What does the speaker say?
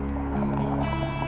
semua mataku hasil mendengar